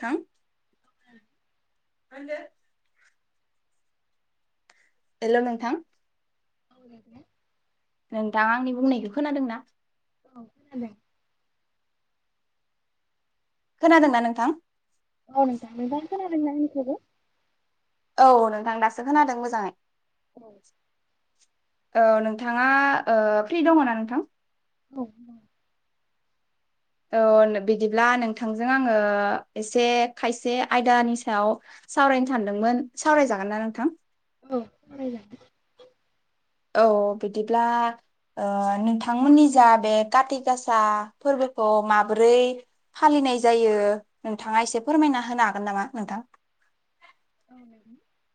थां [inaudible] मा होनदो हेल नोंथां [unintelligible] नोंथां आंनि बुंनायखौ खोनादों ना? औ खोनादों खोनादोंना नोंथां? औ नोंथां नोंथां खोनादोंना आंनिखौबो? औ औ नोंथां दासो खोनादों मोजाङै औ औ नोंथाङा ओ फ्रि दङ ना नोंथां? औ दं ओ बिदिब्ला नोंथांजों आङो एसे खायसे आयदानि सायाव सावरायनो सानदोंमोन सावरायजागोन ना नोंथां? औ सावराय जागोन औ बिदिब्ला ओ नोंथांमोननि जा बे काति गासा फोरबोखौ माबोरै फालिनाय जायो नोंथाङा एसे फोरमायना होनो हागोन नामा नोंथां?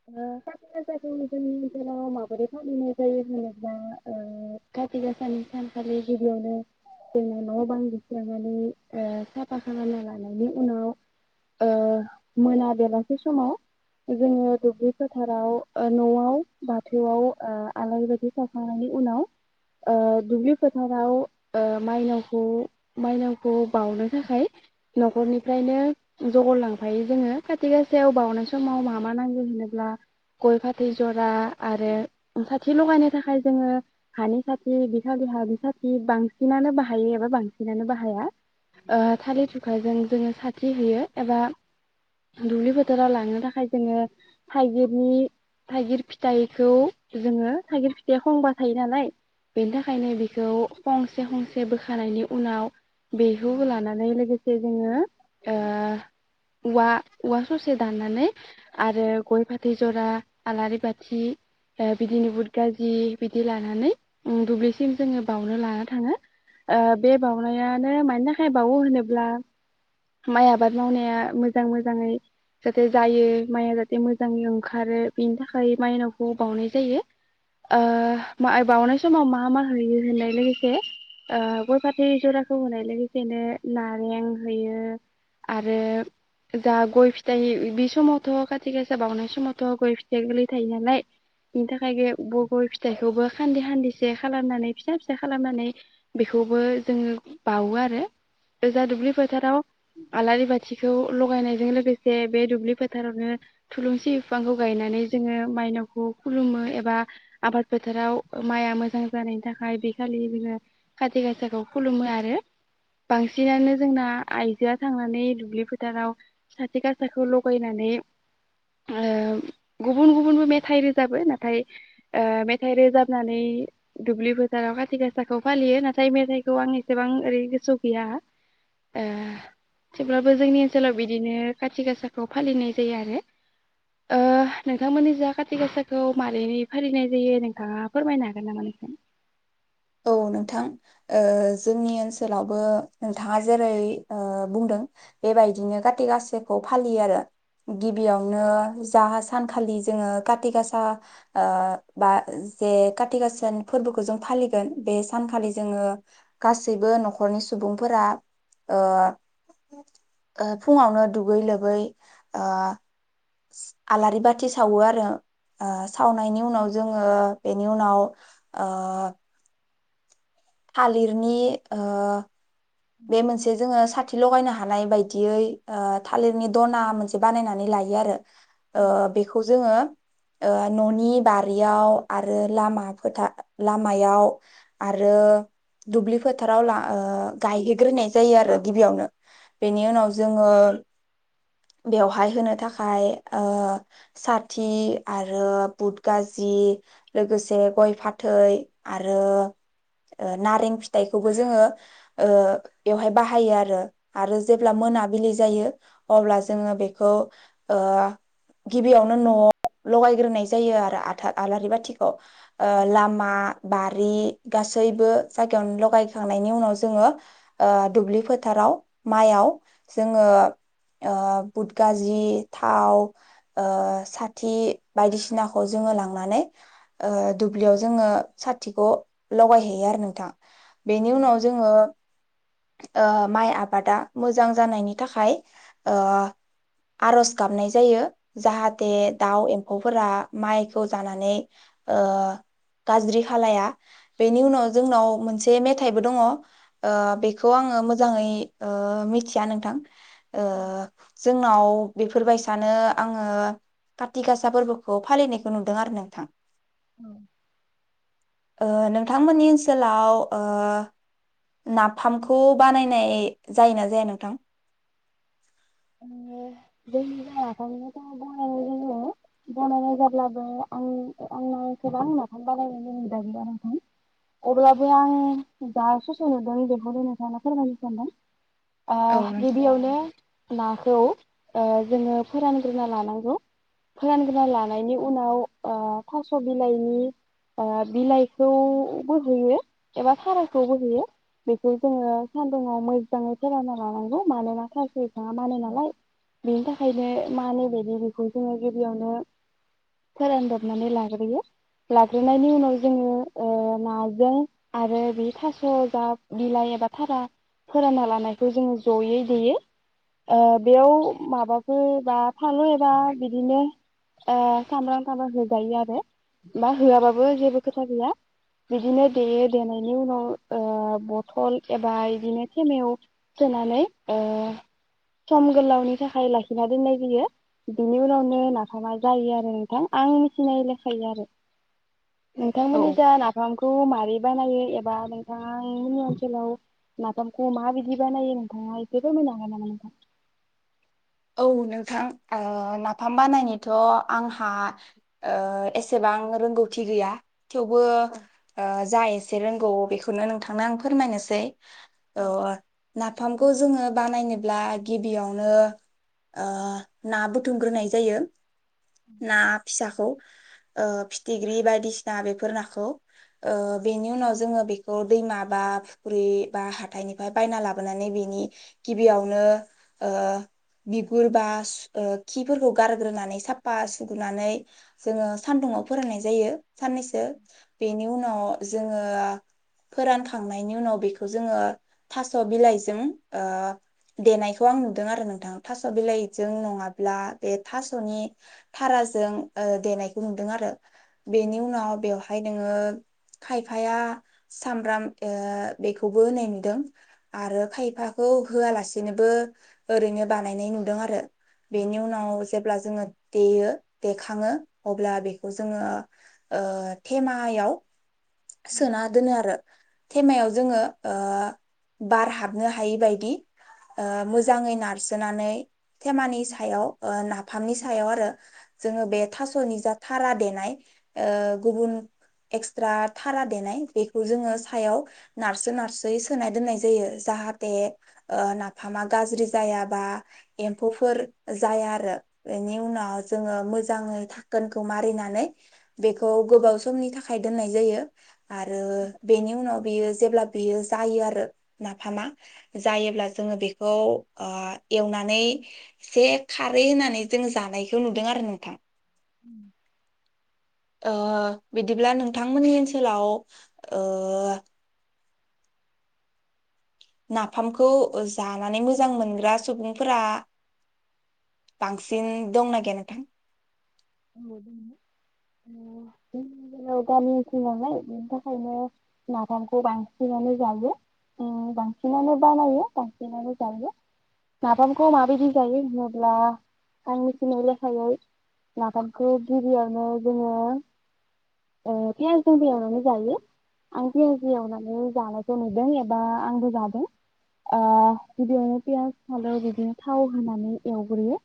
औ खाथिगासाखौ जोंनि ओनसोलाव माबोरै फालिनाय जायो होनोब्ला ओ खाथि गाासानि सानखालि गिबियावनो जोङो न बां लिरस्रांनानै ओ साफा खालामना लानायनि उनाव ओ मोना बेलासि समाव जोङो दुब्लि फोथाराव ओ नआव बाथौआव ओ आलारि बाथि सावखांनायनि उनाव ओ दुब्लि फोथाराव ओ माइनावखौ मायनावखौ बाउनो थाखाय नखरनिफ्रायनो जगर लांफायो जोङो खाथि गासायाव बाउनाय सम- समाव माबा नांगौ होनोब्ला गय फाथै जरा आरो साथि लगायनो थाखाय जोङो हानि साथि बिखालि हानि साथि बांसिनानो बाहायो एबा बांसिनानो बाहाया थालिर दुखाजों जोङो साथि होयो एबा दुब्लि बोथोराव लाङो थाखाय जोङो थाइगिरनि थाइगिर फिथाइखौ जोङो थाइगिर फिथाइ खंबा थायो नालाय बेनि थाखायनो बेखौ खंसे खंसे बोखानायनि उनाव बेखौ लानानै लोगोसे जोङो ओ औवा औवा ससे दाननानै आरो गय फाथै जरा आलारि बाथि ओ बिदिनो बुद गाजि बिदि लानानै उम दुब्लिसिम जोङो बाउनो लाना थाङो ओ बे बाउनायानो मानिखाय बाउवो होनोब्ला माइ आबाद मावनाया मोजां मोजाङै जाहाथे जायो माइआ जाहाथे मोजाङै ओंखारो बेनि थाखाय माइनावखौ बाउनाय जायो ओ बा-बाउनाय समाव मा मा होयो होननाय लोगोसे ओ गय फाथै जराखौ होनाय लोगोसेनो नारें होयो आरो जा गय फिथाइ बि समावथ खाथि गासा बावनाय समावथ गय फिथाइ गोरलै थायो नालाय बिनि थाखाय गय फिथाइखौबो खान्दि खान्दिसे खालामनानै फिसा फिसा खालामनानै बेखौबो जोङो बाउवो आरो ओजा दुब्लि फोथाराव आलारि बाथिखौ लगायनायजों लोगोसे बे दुब्लि फोथारावनो थुलुंसि बिफांखौ गायनानै जोङो मायनावखौ खुलुमो एबा आबाद फोथाराव माइआ मोजां जानायनि थाखाय बे खालि जोङो खाथि गासाखौ खुलुमो आरो बांसि बांसिनानो जोंना आइजोआ थांनानै दुब्लि फोथाराव साथि गासाखौ ल फैनानै ओ गुबुन गुबुनबो मेथाइ रोजाबो नाथाय ओ मेथाइ रोजाबनानै दुब्लि बोजाराव खाथि गासाखौ फालियो नाथाय मेथाइखौ आं एसेबां ओरै गोसो गैया ओ थेवब्लाबो जोंनि ओनसोलाव बिदिनो खाथि गासा खौ फालिनाय जायो आरो ओ नोंथांमोननि जा खाथि गासाखौ मारै फालिनाय जायो नोंथाङा फोरमायनो हागोन नामा नोंथां? औ नोंथां ओ जोंनि ओनसोलावबो नोंथाङा जेरै ओ बुंदों बेबायदिनो खाथि गासाखौ फालियो आरो गिबियावनो जाहा सानखालि जोङो खाथि गासा ओ बा जे खाथि गासानि फोरबोखौ जों फालि बे सानखालि जोङो गासैबो नखरनि सुबुंफोरा ओ ओ फुङावनो दुगै लोबै ओ आलारि बाथि सावो आरो सावनायनि उनाव जोङो बेनि उनाव ओ थालिरनि ओ बे मोनसे जोङो सा थि लगायनो हानाय बायदियै थालिरनि दना मोनसे बानायनानै लायो आरो ओ बेखौ जोंङो ओ ननि बारियाव आरो लामा फोथा लामायाव आरो दुब्लि फोथाराव ला ओ गायहैग्रोनाय जाय आरो गिबियावनो बेनि उनाव जोंङो बेवहाय होनो थाखाय ओ साथि आरो बुट गाजि लोगोसे गय फाथै आरो नारें ओ फिथाइखौबो जोंङो ओ बेवहाय बाहायो आरो आरो जेब्ला मोनाबिलि जायो अब्ला जोंङो बेखौ ओ गिबियावनो नआव लगायग्रोनाय जायो आरो आथा आलारि बाथिखौ ओ लामा बा रि गासैबो जायगायावनो लगायखांनायनि उनाव जोंङो ओ दुब्लि फोथाराव माइयाव जोंङो ओ बुद गाजि थाव ओ साथि बायदिसिनाखौ जोंङो लांनानै ओ दुब्लियाव जोंङो साथिखौ लगायहैयो आरो नोंथां। बेनि उनाव ओ माइ आबादा मोजां जानायनि थाखाय ओ आरज गाबनाय जायो। जाहाथे दाउ एम्फौ फोरा माइखौ जानानै ओ गाज्रि खालाया बेनि उनाव जोंनाव मोनसे मेथाइबो दङ [inaudible] ओ बेखौ आंङो मोजांङै ओ मिथिया नोंथां ओ जोंनाव बेफोरबायसानो आंङो काति गासा फोरबोखौ फालिनायखौ नुदों आरो नोंथां। औ ओ नोंथांमोननि ओनसोलाव ओ नाफामखौ बानायनाय जायोना जाया नोंथां? ओ जोंनि जाय नाफामखौ बनायनाय जायो बनायनाय जाब्लाबो आं-आंना एसेबां नाफाम बानायनाय नि हुदा गैया नोंथां अब्लाबो आं जा ससे नुदों बेखौनो नोंथांनो फोरमायनो सानदों। ओ औ नोंथां गिबियावनो ना खौ ओ जोंङो फोरानग्रोना लानांगौ फोरानग्रोना लानायनि उनाव ओ थास बिलाइनि बिलाइखौ बो होयो एबा थाराय खौ बो होयो बे जोंङो सानदुङाव मोजांङै फोरानना लानांगौ मानोना थास फांङा मानो नालाय बेनि थाखायनो मानै बादि बेखौ जोंङो गिबियावनो फोरानदबनानै लाग्रोयो लाग्रोनायनि उनाव जोंङो ओ नाजों आरो बे थास बा बिलाइ एबा थारा फोरानना लानायखौ जोंङो जयै देयो। ओ बेयाव माबाफोर बा फानलु एबा बिदिनो ओ सामब्राम थामब्राम होजायो आरो बा होआबाबो जेबो खोथा गैया बिदिनो देयो देनायनि उनाव ओ बथल एबा इदिनो थेमायाव सोनानै ओ सम गोलावनि थाखाय लाखिना दोननाय जायो बिनि उनाव ने नाफामा जायो आरो नोंथां आं मिथिनाय लेखायै आरो औ नोंथांमोननि जा नाफामखौ मारै बानायो एबा नोंथां आ नि ओनसोलाव नाफामखौ माबायदि बानायो नोंथाङा एसे फोरमायनो हागोन नामा नोंथां? औ नोंथां ओ नाफाम बानायनोथ आंहा ओ एसेबां रोंगौथि गैया थेवबो औ ओ जाय एस से रोंगौ बेखौनो नोंथांनो आं फोरमायनोसै औओ फामखौ जोंङो बानायनोब्ला गिबियावनो ओ ना बुथुमग्रोनाय जायो। ना फिसाखौ ओ फिथिग्रि बायदिसिना बेफोर नाखौ बेनि उनाव जोंङो बेखौ दैमा बा फुख्रि बा हाथाइनिफ्राय बायना लाबोनानै बेनि गिबियावनो ओ बिगुर बा सु ओ खिफोरखौ गारग्रोनानै साफा सुगोरनानै जोङो सानदुङाव फोरान्नाय जायो। सान्नैसो बेनि उन नाव जोङो फोरानखांनायनि उनाव बेखौ जोङो थास' बिलायजों ओ देनायखौ आं नुदों आरो नोंथां। थास' बिलायजों नङाब्ला बे थास'नि थाराजों देनायखौ नुदों आरो। बेनि उनाव बेवहाय नोङो खायफाया सामब्राम ओ बेखौबो होनाय नुदों आरो खायफाखौ होआलासेनोबो ओरैनो बानायनाय नुदों आरो। बेनि उनाव जेब्ला जोङो देयो देखाङो अब्ला बेखौ जोङो ओ थेमायाव सोना दोनो आरो थेमायाव जोङो ओ बार हाबनो हायै बादि मोजाङै नारस सोनानै थेमानि सायाव ओ नाफामनि सायाव आरो जोङो बे थास'नि जाथ थारा देनाय ओ गुबुन एक्सट्रा थारा देनाय बेखौ जोङो सायाव नारसो नारसोयै सोनाय दोन्नाय जायो जाहाथे ओ नाफामा गाज्रि जाया। बा एम्फौफोर जाया आरो बेनि उनाव जोङो मोजाङै थाखोनखौ मारिनानै बेखौ गोबाव समनि थाखाय दोन्नाय जायो। आरो बेनि उनाव बियो जेब्ला बियो जायो आरो नाफामा जायोब्ला जोङो बेखौ ओ एवनानै एसे खारै होनानै जों जानायखौ नुदों आरो नोंथां। उम। ओ बिदिब्ला नोंथांमोननि ओन्सोलाव ओ नाफामखौ जानानै मोजां मोनग्रा सुबुंफोरा बांसिन दंना गैया नोंथां? औ दङ ओ जोंनि गामि ओन्सोल नालाय ओनि थाखायनो नाफामखौ बांसिनानो जायो ओ बांसिनानो बानायो बांसिनानो जायो। नाफामखौ माबायदि जायो होनोब्ला आं मिथिनाय लेखायै नाफामखौ गिबियावनो जोङो ओ पियासजोंबो एवनानै जायो आं पियासजों एवनानै जानायखौ नुदों एबा आंबो जादों ओ गिबियावनो पियास फानलु बिदिनो थाव होनानै एवग्रोयो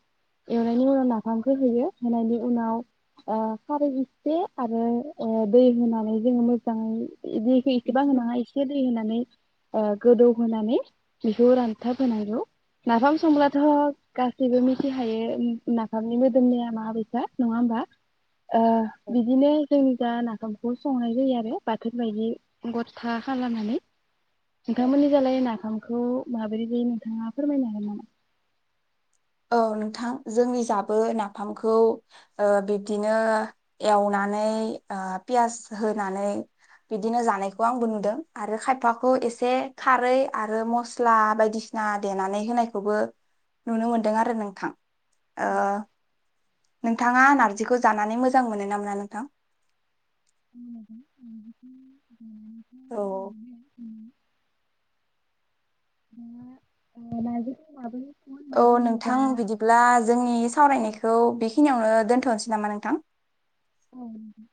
एवनायनि उनाव नाफामखौ होयो। होनायनि उनाव ओ खारै इसे आरो ओ दै होनानै जोङो मोजाङै दैखौ एसेबा होनाङा एसे दै होनानै ओ गोदौ होनानै बेखौ रानथाब होनांगौ नाफाम संब्लाथ गासैबो मिथिखायो नाफामनि मोदोमनाया मा [unintelligible] नङा होमबा। ओ बिदिनो जों जा नाफाम बेखौ संनाय जायो आरो बाथोन बायदि गथा खालामनानै। नोंथांमोननि जालाय नाफामखौ माबोरै जायो नोंथाङा फोरमायनो हागोन नामा? औ नोंथां जोंनि जाबो नाफामखौ ओ बिब्दिनो एवनानै ओ पियास होनानै बिदिनो जानायखौ आंबो नुदों आरो खायफाखौ एसे खारै आरो मस्ला बायदिसिना देनानै होनायखौबो नुनो मोनद दों आरो नोंथां। ओ नोंथाङा नार्जिखौ जानानै मोजां मोनो ना मोना नोंथां? [inaudible] औ। [inaudible] औ नोंथां बिदिब्ला जोंनि सावरायनायखौ बेखिनियावनो दोन्थनसै नामा नोंथां? जेनेबा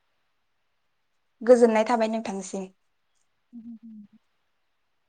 गोजोन्नाय थाबाय नोंथांसिम। [unintelligible]